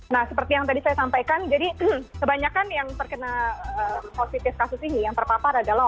nah seperti yang tadi saya sampaikan jadi kebanyakan yang terkena positif kasus ini yang terpapar adalah